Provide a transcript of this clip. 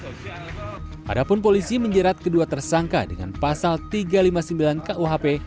padahal polisi menjerat kedua tersangka dengan pasal tiga ratus lima puluh sembilan kuhp